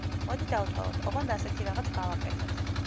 მოდი დავთვალოთ, ოღონდ ასეთი რაღაც გავაკეთოთ:.